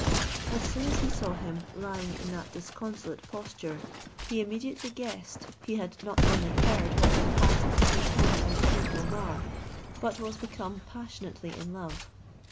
As soon as he saw him dying in that disconsolate posture, he immediately guessed he had not only heard what had passed between him and Queen Gulnare, but was become passionately in love.